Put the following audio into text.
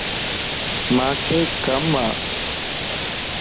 مانک ڪم ا